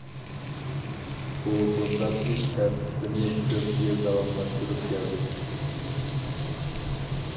ئۇ بۇنداق ئىش تەرتىپىنى كۆپ يىل داۋاملاشتۇرۇپ كەلدى.